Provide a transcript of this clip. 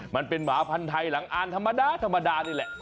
มันเป็นหมาพันธ์ไทยหลังอ่านธรรมดาธรรมดานี่แหละ